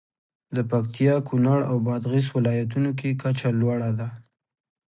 د پکتیا، کونړ او بادغیس ولایتونو کې کچه لوړه ده.